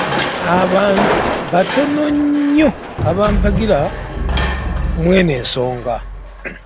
Abantu abatono nnyo abatampagira mweno ensonga.